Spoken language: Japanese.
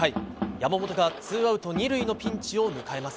山本がツーアウト２塁のピンチを迎えます。